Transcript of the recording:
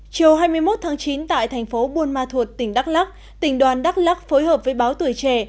chiều hai mươi một tháng chín tại thành phố buôn ma thuột tỉnh đắk lắc tỉnh đoàn đắk lắc phối hợp với báo tuổi trẻ